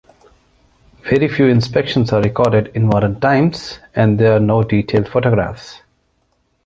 Very few inspections are recorded in modern times and there are no detailed photographs.